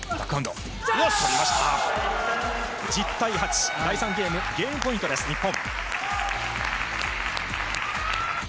１０対８第３ゲームゲームポイントです、日本。